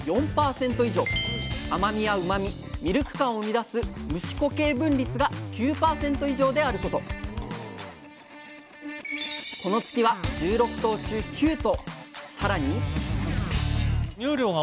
甘みやうまみミルク感を生み出す無脂固形分率が９％以上であることこの月は１６頭中９頭！